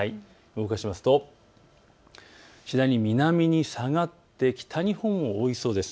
動かしますと次第に南に下がってきて北日本を覆いそうです。